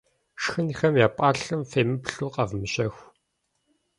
Шхынхэм я пӏалъэм фемыплъу къэвмыщэху.